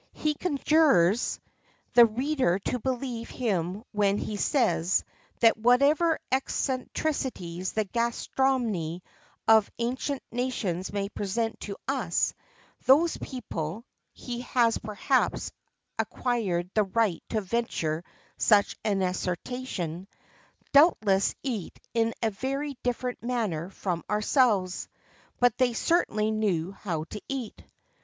He conjures the reader to believe him when he says, that whatever eccentricities the gastronomy of ancient nations may present to us, those people (he has, perhaps, acquired the right to venture such an assertion) doubtless eat in a very different manner from ourselves; but they certainly knew how to eat.